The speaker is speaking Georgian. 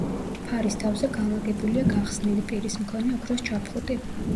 ფარის თავზე განლაგებულია გახსნილი პირის მქონე ოქროს ჩაფხუტი.